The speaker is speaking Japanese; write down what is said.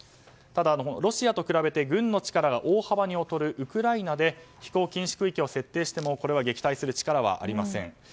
ただ、ロシアと比べて軍の力が大幅に劣るウクライナで飛行禁止区域を設定してもこれは撃退する力はありません。